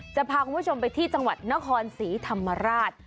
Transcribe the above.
จะพาคุณผู้ชมไปที่จังหวัดนครศรีธรรมราช